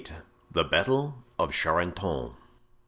The Battle of Charenton.